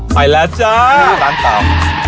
ไปแล้วจ้ะตำปำ